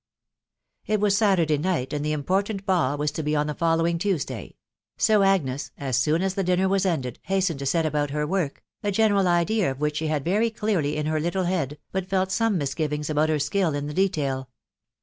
It was Saturday night, and the important ball was to be on the following Tuesday ; so Agnes, as soon as the dinner was ended, hastened to set about her work, a general idea of which she had very clearly in her little head, but felt some misgivings about her skill in the detail.